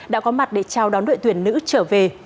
đã có mặt để chào đón đội tuyển nữ trở về